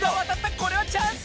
これはチャンス！